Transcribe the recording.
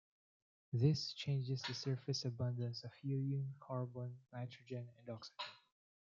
This changes the surface abundance of helium, carbon, nitrogen, and oxygen.